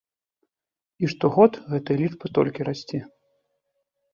І штогод гэтая лічба толькі расце.